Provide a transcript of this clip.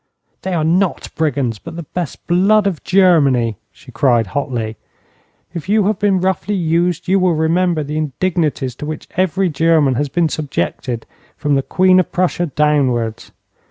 'They are not brigands, but the best blood of Germany,' she cried, hotly. 'If you have been roughly used, you will remember the indignities to which every German has been subjected, from the Queen of Prussia downwards.